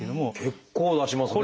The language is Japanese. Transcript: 結構出しますね。